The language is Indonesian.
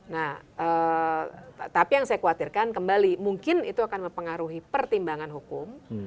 nah tapi yang saya khawatirkan kembali mungkin itu akan mempengaruhi pertimbangan hukum